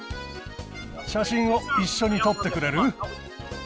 写真を一緒に撮ってくれる？